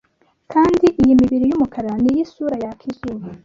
Kandi iyi mibiri yumukara niyi sura yaka izuba